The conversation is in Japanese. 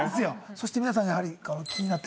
そして皆さんやはり。